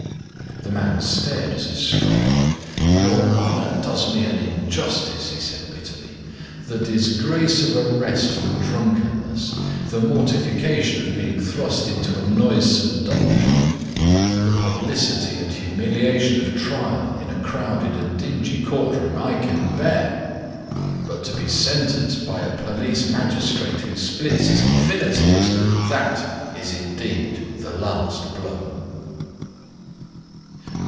The man stared as if struck. "Your honor does me an injustice," he said bitterly. "The disgrace of arrest for drunkenness, the mortification of being thrust into a noisome dungeon, the publicity and humiliation of trial in a crowded and dingy courtroom I can bear, but to be sentenced by a Police Magistrate who splits his infinitives that is indeed the last blow."